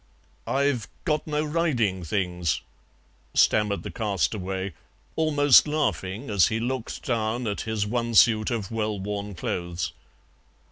"I've got no riding things," stammered the castaway, almost laughing as he looked down at his one suit of well worn clothes.